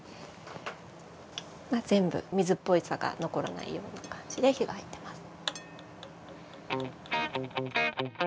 全部水っぽさが残らないような感じで火が入ってます。